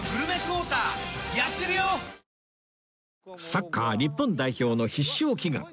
サッカー日本代表の必勝祈願